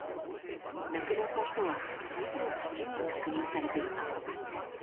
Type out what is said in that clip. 亡くなった人は２８人確認されています。